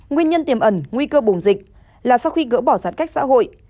nguyên nhân tiềm ẩn nguy cơ bùng dịch là sau khi gỡ bỏ giãn cách xã hội